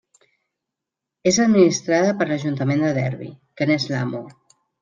És administrada per l'Ajuntament de Derby, que n'és l'amo.